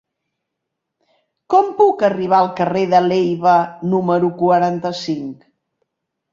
Com puc arribar al carrer de Leiva número quaranta-cinc?